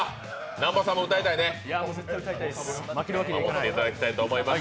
南波さんも歌いたいね、頑張っていただきたいと思います。